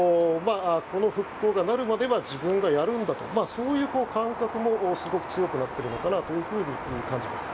この復興がなるまでは自分がやるんだとそういう感覚もすごく強くなっているのかなと感じます。